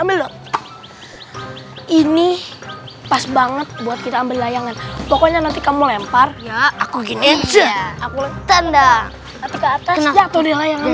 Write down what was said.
ambil ini pas banget buat kita ambil layangan pokoknya nanti kamu lempar aku gini aku tanda